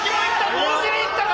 同時にいったか？